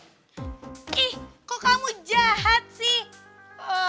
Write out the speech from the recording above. eh kok kamu jahat sih